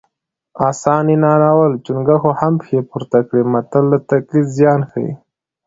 اسان یې نالول چونګښو هم پښې پورته کړې متل د تقلید زیان ښيي